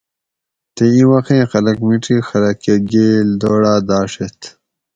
تے اِیں وخیں خلق مِڄیک خلق کہ گیل دوڑاۤ داڛیت